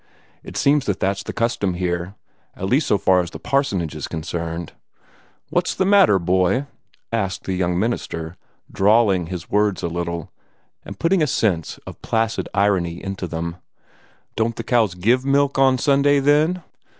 It seems that that's the custom here, at least so far as the parsonage is concerned." "What's the matter, boy?" asked the young minister, drawling his words a little, and putting a sense of placid irony into them. "Don't the cows give milk on Sunday, then?"